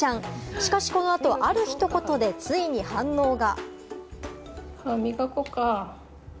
しかしこの後、あるひと言でついに反応が。